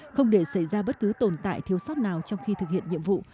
không để xảy ra bất cứ tồn tại thiếu sót nào trong khi thực hiện nhiệm vụ